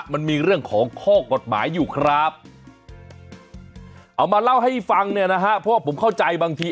มันมีเรื่องของข้อกฎหมายอยู่ครับเอามาเล่าให้ฟังเนี่ยนะฮะเพราะว่าผมเข้าใจบางที